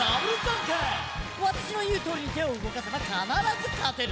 わたしのいうとおりに手をうごかせばかならずかてる。